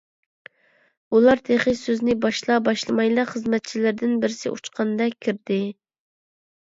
ئۇلار تېخى سۆزىنى باشلا - باشلىمايلا خىزمەتچىلىرىدىن بىرسى ئۇچقاندەك كىردى.